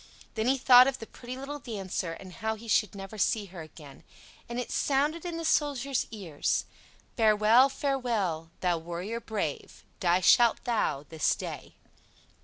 Then he thought of the pretty little dancer, and how he should never see her again; and it sounded in the Soldier's ears: "Farewell, farewell, thou warrior brave, Die shalt thou this day."